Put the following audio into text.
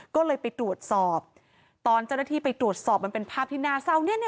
ก็เลยไปตรวจสอบตอนเจ้าหน้าที่ไปตรวจสอบมันเป็นภาพที่น่าเศร้าเนี่ย